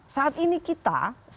saat ini kita sedang